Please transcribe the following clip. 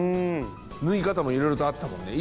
縫い方もいろいろとあったもんね。